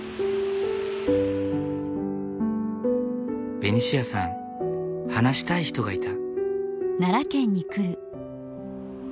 ベニシアさん話したい人がいた。